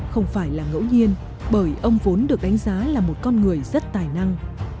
không phải là ngẫu nhiên bởi ông vốn được đánh giá là một con người rất tài năng